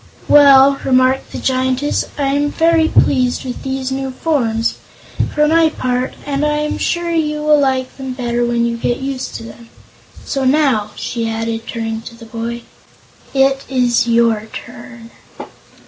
"Well," remarked the Giantess, "I'm very well pleased with these new forms, for my part, and I'm sure you will like them better when you get used to them. So now," she added, turning to the boy, "it is your turn."